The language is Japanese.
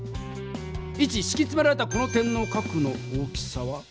イチしきつめられたこの点の角の大きさは？